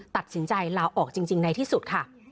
ตัดสินใจลาออกจริงในที่สุดค่ะ